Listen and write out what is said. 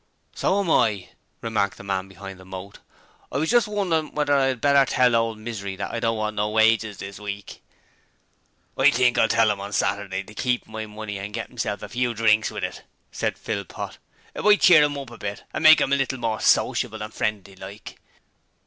'So am I,' remarked the man behind the moat. 'I was just wondering whether I 'adn't better tell ole Misery that I don't want no wages this week.' 'I think I'll tell 'im on Saterday to keep MY money and get 'imself a few drinks with it,' said Philpot. 'It might cheer 'im up a bit and make 'im a little more sociable and friendly like.'